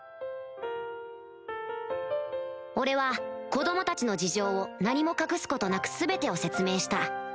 俺は子供たちの事情を何も隠すことなく全てを説明した